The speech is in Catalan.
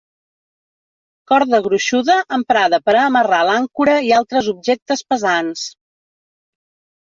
Corda gruixuda emprada per a amarrar l'àncora i altres objectes pesants.